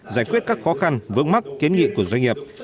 giải quyết các khó khăn vướng mắt kiến nghị của doanh nghiệp